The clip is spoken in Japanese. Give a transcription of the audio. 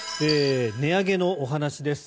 値上げのお話です。